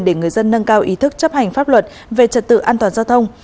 để người dân nâng cao ý thức chấp hành pháp luật về trật tự an toàn giao thông